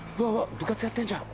部活やってるじゃん」